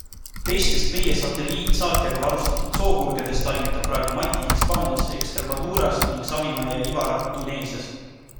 Teistest meie satelliitsaatjaga varustatud sookurgedest talvitab praegu Mati Hispaanias Extremaduras ning Savimäe ja Ivar Tuneesias.